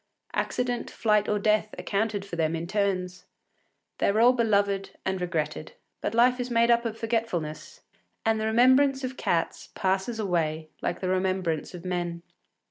Accident, flight, or death accounted for them in turns. They were all beloved and regretted; but life is made up of forgetfulness, and the remembrance of cats passes away like the remembrance of men.